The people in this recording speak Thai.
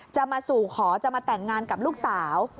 จะมาสู่ขอจะมาแต่งงานกับลูกสาว